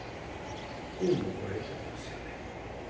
金もこれ結構ですよね。